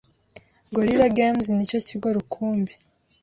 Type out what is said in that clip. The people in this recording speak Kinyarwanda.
Gorilla Games ni cyo kigo rukumbi